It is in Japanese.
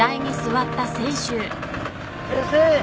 先生